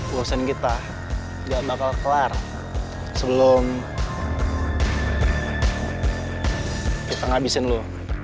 kuosen kita gak bakal kelar sebelum kita ngabisin lo